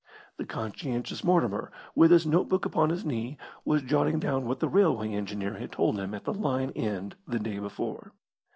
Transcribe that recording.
The conscientious Mortimer, with his notebook upon his knee, was jotting down what the railway engineer had told him at the line end the day before.